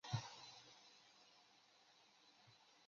施坦贝格湖畔贝恩里特是德国巴伐利亚州的一个市镇。